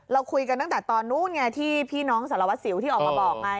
เราคุยกันตั้งแต่ตอนนู้นไงที่พี่น้องสารวัสสิวที่ออกมาบอกไง